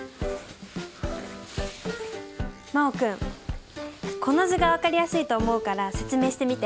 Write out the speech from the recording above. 真旺君この図が分かりやすいと思うから説明してみて。